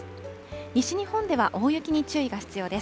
西日本では大雪に注意が必要です。